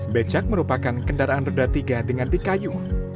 becak merupakan kendaraan roda tiga dengan dikayu